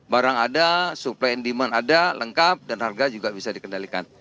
barang ada supply and demand ada lengkap dan harga juga bisa dikendalikan